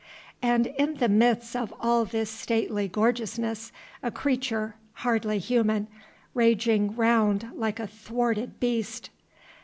And in the midst of all this stately gorgeousness a creature hardly human raging round like a thwarted beast.